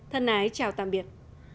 thân ái chào tạm biệt